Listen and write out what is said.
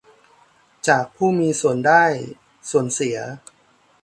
จากผู้มีส่วนได้ส่วนเสีย